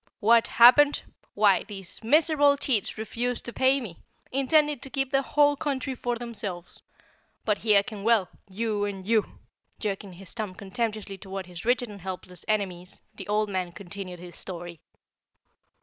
"What happened? Why, these miserable cheats refused to pay me, intending to keep the whole country for themselves. But hearken well, you and YOU!" Jerking his thumb contemptuously toward his rigid and helpless enemies, the Old Man continued his story.